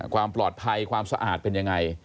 ความปลอดภัยความสะอาดเป็นยังไง